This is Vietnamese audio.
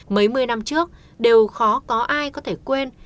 mấy mươi năm trước đều khó có ai có thể quên